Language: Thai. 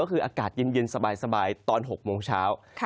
ก็คืออากาศเย็นสบายตอน๖โมงเช้า